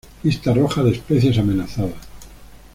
Lista Roja de Especies Amenazadas.